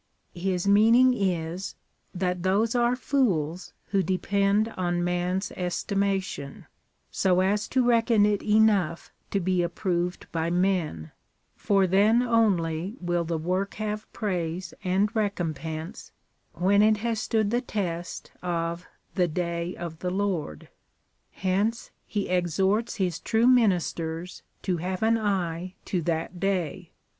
His meaning is, that those are fools who depend on man's estimation, so as to reckon it enough to be approved by men, for then only will the work have praise and recompense — when it has stood the test of the day of the Lord. Hence he exhorts His true ministers to have an eye to that day.